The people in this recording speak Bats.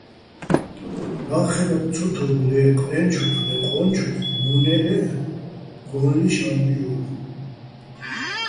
ბა́ხხეჼ მოტტ ცო თო́უგო̆ ლე ყაჲნჩოხე́ ლე ყო́ნუჩოხ, უ̂ნე ლე́ჸ გო́ლლიშ ა́მბუჲ ჲო́ლო̆.